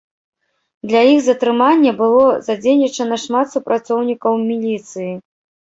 Для іх затрымання было задзейнічана шмат супрацоўнікаў міліцыі.